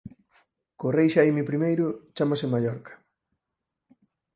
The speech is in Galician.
Co rei Xaime I chámase "Mallorca".